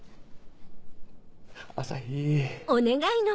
朝陽。